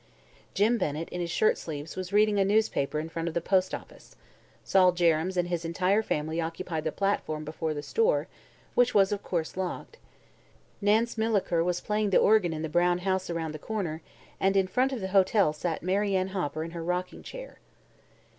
Jim Bennett, in his shirtsleeves, was reading a newspaper in front of the postoffice; Sol Jerrems and his entire family occupied the platform before the store, which was of course locked; Nance Milliker was playing the organ in the brown house around the corner, and in front of the hotel sat Mary Ann Hopper in her rocking chair.